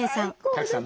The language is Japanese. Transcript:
賀来さん